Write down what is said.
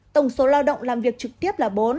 tổng số lao động làm việc trực tiếp là bốn